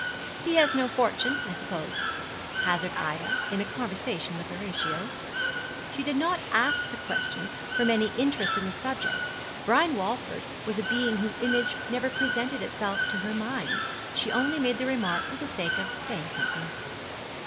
'He has no fortune, I suppose?' hazarded Ida, in a conversation with Horatio. She did not ask the question from any interest in the subject. Brian Walford was a being whose image never presented itself to her mind. She only made the remark for the sake of saying something.